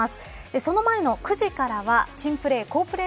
その前の９時からは珍プレー好プレー